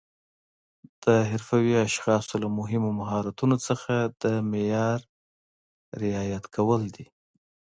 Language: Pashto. د حرفوي اشخاصو له مهمو مهارتونو څخه د معیار رعایت کول دي.